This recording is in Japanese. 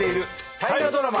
大河ドラマ